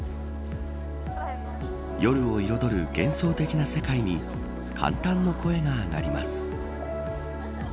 夜を彩る幻想的な世界に感嘆の声が上がります。